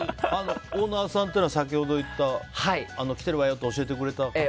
オーナーさんというのは先ほど言った来てるわよって教えてくれた方ですか。